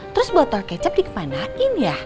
terus botol kecap dikemanain ya